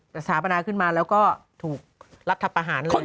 ที่สาปนาขึ้นมาแล้วก็ถูกรับทัพอาหารเลย